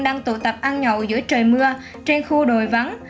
đang tụ tập ăn nhậu giữa trời mưa trên khu đồi vắng